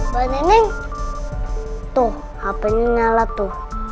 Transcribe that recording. pak neneng tuh hape ini nyalah tuh